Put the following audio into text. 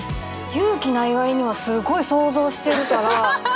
勇気ない割にはすごい想像してるから。